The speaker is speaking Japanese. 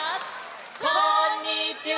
こんにちは！